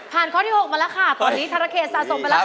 ข้อที่๖มาแล้วค่ะตอนนี้ธรเขตสะสมไปแล้วค่ะ